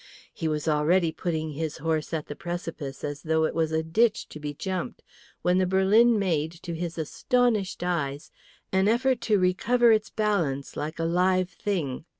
He was already putting his horse at the precipice as though it was a ditch to be jumped, when the berlin made, to his astonished eyes, an effort to recover its balance like a live thing.